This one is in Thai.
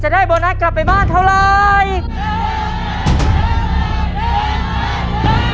ได้โบนัสกลับไปบ้านเท่าไร